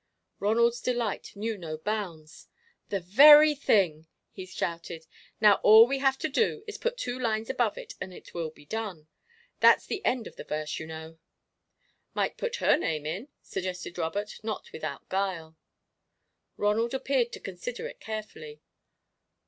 Ronald's delight knew no bounds. "The very thing!" he shouted. "Now, all we have to do is to put two lines above it and it will be done. That's the end of the verse, you know." "Might put her name in," suggested Robert, not without guile. Ronald appeared to consider it carefully.